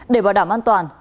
để bảo đảm an toàn